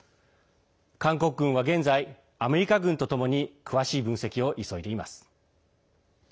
韓国軍は現在アメリカ軍とともに詳しい分析を急いでいます。